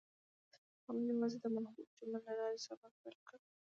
هغوی یوځای د محبوب چمن له لارې سفر پیل کړ.